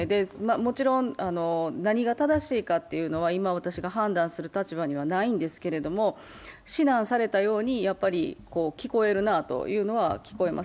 もちろん何が正しいかは今、私が判断する立場にはないんですが、指南されたように聞こえるなというのは聞こえます。